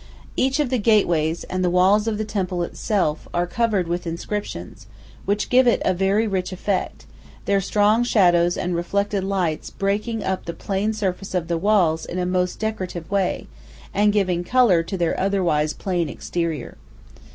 Each of the gateways, and the walls of the temple itself, are covered with inscriptions, which give it a very rich effect, their strong shadows and reflected lights breaking up the plain surface of the walls in a most decorative way, and giving colour to their otherwise plain exterior.